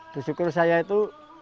bersyukur saya itu